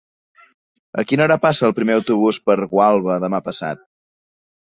A quina hora passa el primer autobús per Gualba demà passat?